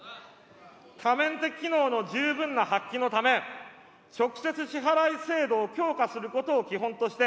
多面的機能の十分な発揮のため、直接支払制度を強化することを基本として、